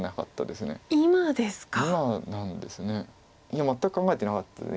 いや全く考えてなかった。